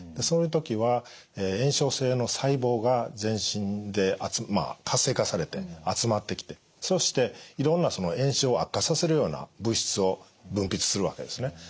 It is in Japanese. そういう時は炎症性の細胞が全身で活性化されて集まってきてそしていろんな炎症を悪化させるような物質を分泌するわけですね。